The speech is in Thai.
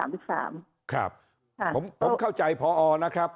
ผมเข้าใจครับภนะครับ